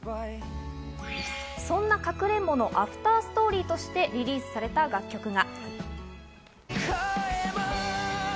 そんな『かくれんぼ』のアフターストーリーとしてリリースされた楽曲が。